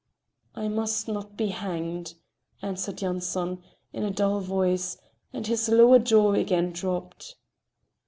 "I must not be hanged," answered Yanson, in a dull voice, and his lower jaw again drooped.